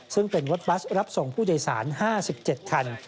ซึ่งเป็นรถบัสรับส่งผู้โดยสาร๕๗คัน